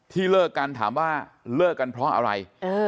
ที่เลิกการถามว่าเลิกการเพราะอะไร